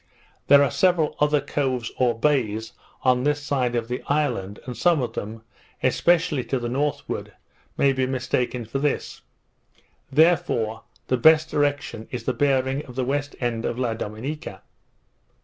There are several other coves, or bays, on this side of the island, and some of them, especially to the northward, may be mistaken for this; therefore, the best direction is the bearing of the west end of La Dominica.